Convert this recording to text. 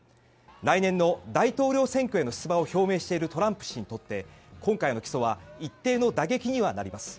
来年の大統領選挙への出馬を表明しているトランプ氏にとって今回の起訴は一定の打撃にはなります。